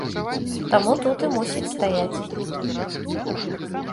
Таму тут і мусіць стаяць.